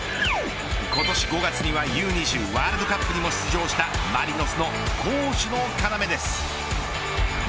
今年５月にはＵ‐２０ワールドカップにも出場したマリノスの攻守の要です。